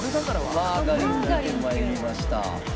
マーガリン出て参りました。